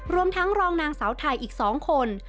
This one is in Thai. รวมทั้งรองนางสาวไทยอีก๒คน